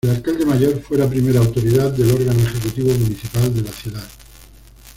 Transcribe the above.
El Alcalde Mayor fue la primera autoridad del órgano ejecutivo municipal de la ciudad.